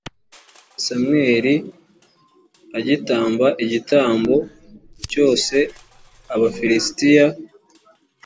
samweli agitamba igitambo cyoswa abafilisitiya